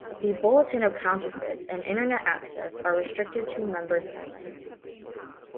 The Bulletin of Counterfeits and Internet-access are restricted to members only.